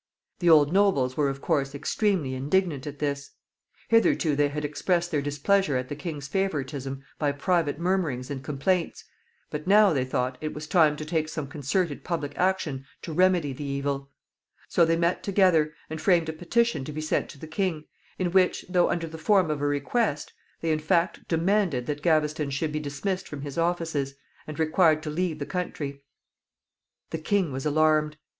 The old nobles were, of course, extremely indignant at this. Hitherto they had expressed their displeasure at the king's favoritism by private murmurings and complaints, but now, they thought, it was time to take some concerted public action to remedy the evil; so they met together, and framed a petition to be sent to the king, in which, though under the form of a request, they, in fact, demanded that Gaveston should be dismissed from his offices, and required to leave the country. The king was alarmed.